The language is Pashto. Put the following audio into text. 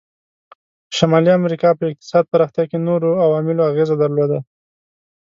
په شمالي امریکا په اقتصاد پراختیا کې نورو عواملو اغیزه درلوده.